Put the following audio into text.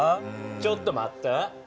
ちょっと待って！